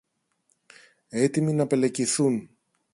έτοιμοι να πελεκηθούν